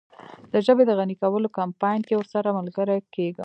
د ژبې د غني کولو کمپاین کې ورسره ملګری کیږم.